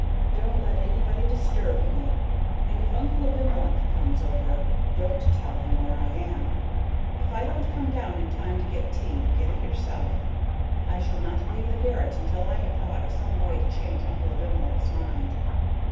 "Don't let anybody disturb me, and if Uncle Abimelech comes over don't tell him where I am. If I don't come down in time to get tea, get it yourself. I shall not leave the garret until I have thought of some way to change Uncle Abimelech's mind."